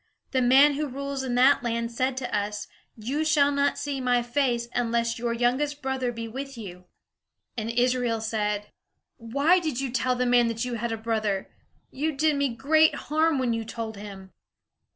The man who rules in that land said to us, 'You shall not see my face, unless your youngest brother be with you'." And Israel said, "Why did you tell the man that you had a brother? You did me great harm when you told him."